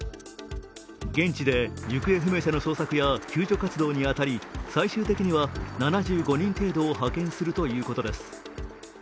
現地で行方不明者の捜索や救助活動に当たり最終的には７５人程度を派遣するということです。